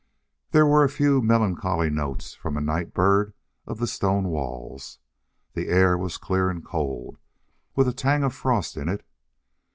There were a few melancholy notes from a night bird of the stone walls. The air was clear and cold, with a tang of frost in it.